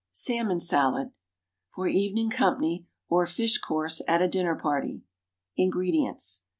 =Salmon Salad.= (For evening company, or fish course at a dinner party.) INGREDIENTS.